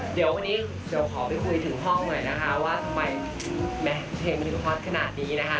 เดี๋ยววันนี้เดี๋ยวขอไปคุยถึงห้องหน่อยนะคะว่าทำไมเพลงมันถึงฮอตขนาดนี้นะคะ